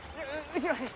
後ろです！